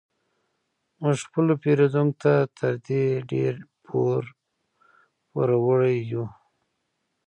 موږ خپلو پیرودونکو ته تر دې ډیر پور وړ یو